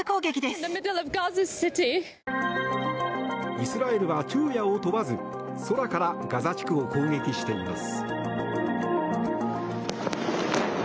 イスラエルは昼夜を問わず空からガザ地区を攻撃しています。